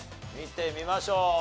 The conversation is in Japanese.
見てみましょう。